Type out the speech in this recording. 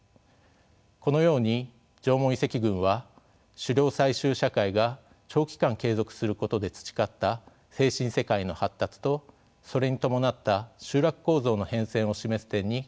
このように縄文遺跡群は狩猟採集社会が長期間継続することで培った精神世界の発達とそれに伴った集落構造の変遷を示す点に価値があるのです。